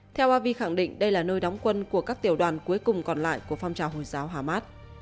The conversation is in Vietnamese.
theo avi khẳng định đây là nơi đóng quân của các tiểu đoàn cuối cùng còn lại của phong trào hồi giáo hamas